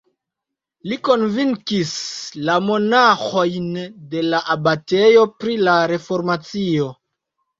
Li konvinkis la monaĥojn de la abatejo pri la reformacio.